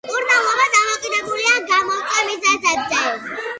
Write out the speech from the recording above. მკურნალობა დამოკიდებულია გამომწვევ მიზეზებზე.